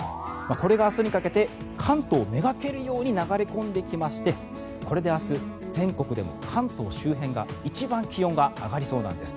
これが明日にかけて関東をめがけるように流れ込んできましてこれで明日、全国でも関東周辺が一番気温が上がりそうなんです。